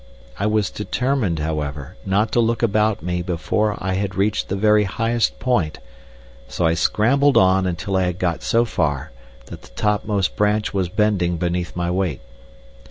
I was determined, however, not to look about me before I had reached the very highest point, so I scrambled on until I had got so far that the topmost branch was bending beneath my weight.